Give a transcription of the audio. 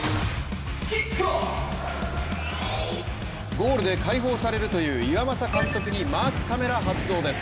ゴールで解放されるという岩政監督にマークカメラ発動です。